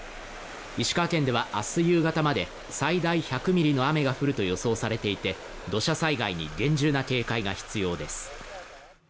石川県では明日夕方まで最大１００ミリの雨が降ると予想されていて、土砂災害に厳重な警戒が必要です。